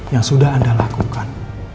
yang sudah anda lakukan